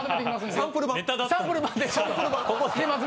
サンプル版です。